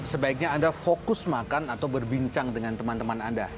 sebaiknya anda fokus makan atau berbincang dengan teman teman anda